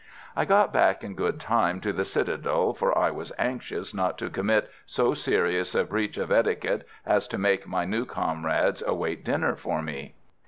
I got back in good time to the citadel, for I was anxious not to commit so serious a breach of etiquette as to make my new comrades await dinner for me.